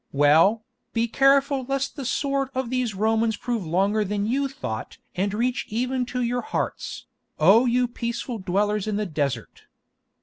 Well, be careful lest the sword of these Romans prove longer than you thought and reach even to your hearts, O you peaceful dwellers in the desert!"